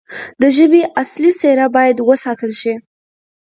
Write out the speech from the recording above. د ژبې اصلي څیره باید وساتل شي.